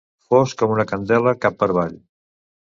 Fosc com una candela cap per avall.